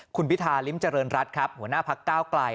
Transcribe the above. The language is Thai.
คุณพิธาริมเจริญรัฐครับหัวหน้าพักก้าวไกล